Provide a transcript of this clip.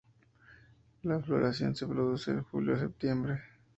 La floración se produce de julio a septiembre.